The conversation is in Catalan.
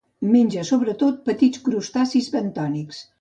Menja sobretot petits crustacis bentònics.